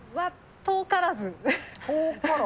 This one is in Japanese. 遠からず？